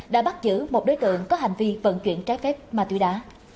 đã bắt giữ một đối tượng có hành vi vận chuyển trái phép ma túy đá